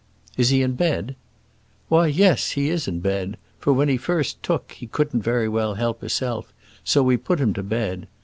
"Is he in bed?" "Why, yes, he is in bed; for when he was first took he couldn't very well help hisself, so we put him to bed.